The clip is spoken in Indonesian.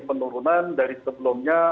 penurunan dari sebelumnya